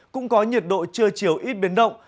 cũng có nhiệt độ chưa chiều ít biến động